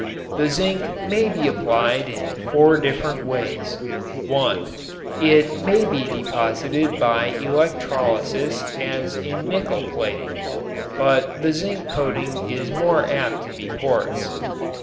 The zinc may be applied in four different ways. (1) It may be deposited by electrolysis as in nickel plating, but the zinc coating is more apt to be porous.